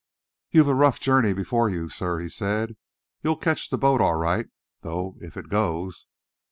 "You've a rough journey before you, sir," he said. "You'll catch the boat all right, though if it goes.